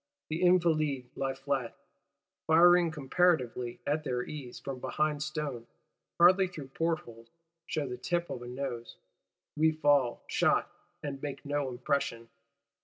The Invalides lie flat, firing comparatively at their ease from behind stone; hardly through portholes, shew the tip of a nose. We fall, shot; and make no impression!